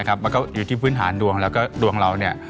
มันก็อยู่ที่พื้นฐานดวงแล้วก็ดวงเราเนี่ย